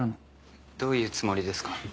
どういうつもりですか？